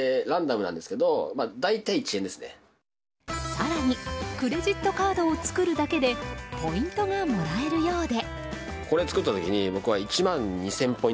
更にクレジットカードを作るだけでポイントがもらえるようで。